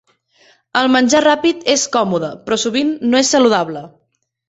El menjar ràpid és còmode, però sovint no és saludable.